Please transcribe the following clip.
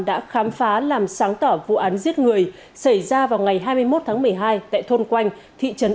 đã khám phá làm sáng tỏ vụ án giết người xảy ra vào ngày hai mươi một tháng một mươi hai tại thôn quanh thị trấn